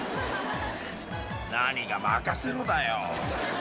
何が任せろだよ。